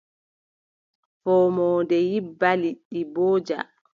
Foomoonde yibba, liɗɗi mbooja.